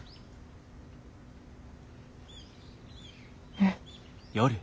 うん。